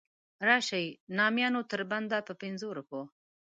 راشئ نامیانو تر بنده په پنځو روپو.